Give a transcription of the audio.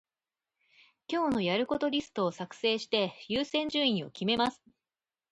今日のやることリストを作成して、優先順位を決めます。